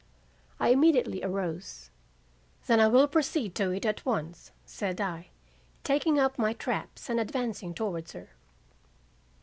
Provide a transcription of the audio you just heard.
"I immediately arose. 'Then I will proceed to it at once,' said I, taking up my traps and advancing towards her.